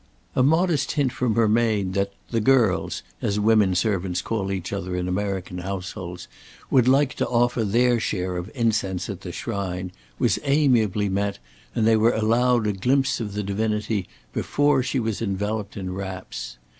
A modest hint from her maid that "the girls," as women servants call each other in American households, would like to offer their share of incense at the shrine, was amiably met, and they were allowed a glimpse of the divinity before she was enveloped in wraps.